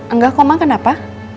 enggak koma kenapa